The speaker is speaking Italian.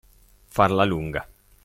Farla lunga.